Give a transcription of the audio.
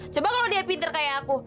coba kalau dia pinter kayak aku